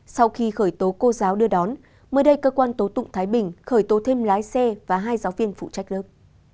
sau khi khởi tố cô giáo đưa đón mới đây cơ quan tố tụng thái bình khởi tố thêm lái xe và hai giáo viên phụ trách lớp